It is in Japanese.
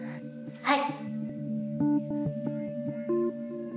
はい。